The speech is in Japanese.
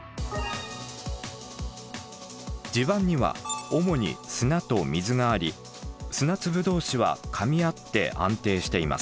地盤には主に砂と水があり砂粒同士はかみ合って安定しています。